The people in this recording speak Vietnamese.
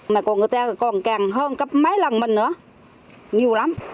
mà còn người ta còn càng hơn gấp mấy lần mình nữa nhiều lắm